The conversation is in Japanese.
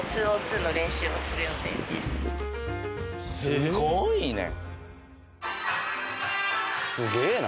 すごいね！